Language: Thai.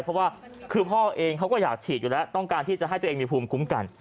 เพราะว่าคือพ่อเองเขาก็อยากฉีดอยู่แล้วต้องการที่จะให้ตัวเองมีภูมิคุ้มกัน